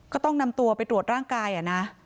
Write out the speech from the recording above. ก็ต้องนำตัวไปตรวจร่างกายนะ